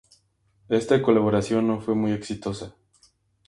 Esta colaboración no fue muy exitosa.